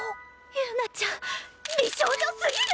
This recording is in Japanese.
友奈ちゃん美少女すぎる！